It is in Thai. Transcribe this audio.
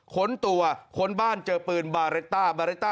ข้นตัวข้นบ้านเจอปืนบาร์เรตต้า